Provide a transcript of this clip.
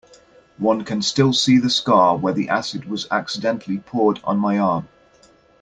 One can still see the scar where the acid was accidentally poured on my arm.